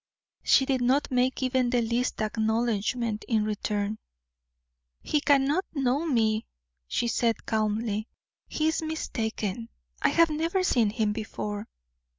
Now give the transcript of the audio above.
She did not make even the least acknowledgment in return. "He cannot know me," she said, calmly; "he is mistaken. I have never seen him before."